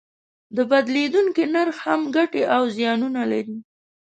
د بدلیدونکي نرخ هم ګټې او زیانونه لري.